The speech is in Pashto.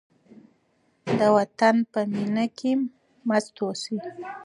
د وطن په مینه کې مست اوسئ.